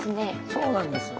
そうなんですよ